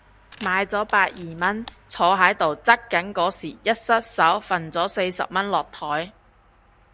買咗百二蚊，坐喺度搽緊嗰時一失手揈咗四十蚊落枱